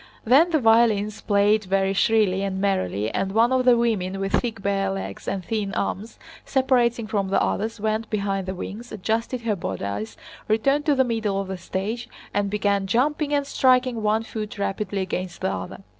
Then the violins played very shrilly and merrily and one of the women with thick bare legs and thin arms, separating from the others, went behind the wings, adjusted her bodice, returned to the middle of the stage, and began jumping and striking one foot rapidly against the other.